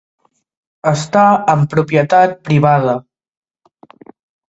Està en propietat privada.